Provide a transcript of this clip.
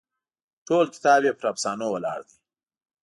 ټول کتاب یې پر افسانو ولاړ دی.